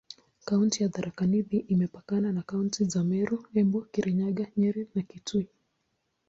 Kaunti ya Tharaka Nithi imepakana na kaunti za Meru, Embu, Kirinyaga, Nyeri na Kitui.